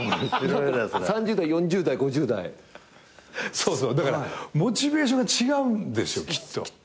そうそうだからモチベーションが違うんですよきっと。